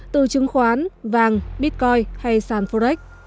từ chứng khoán vàng bitcoin hay san forex